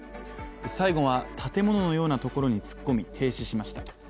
最後は建物のようなところに突っ込み停止しました。